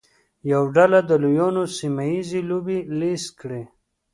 یوه ډله د لویانو سیمه ییزې لوبې لیست کړي.